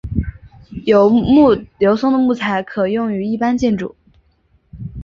油松的木材可用于一般建筑。